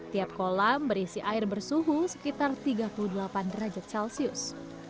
tiap kolam berisi air bersuhu sekitar tiga puluh delapan derajat celcius